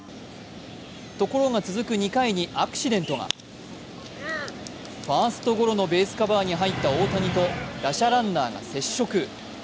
ところが続く２回にアクシデントがファーストゴロのベースカバーに入った大谷と打者ランナーが接触。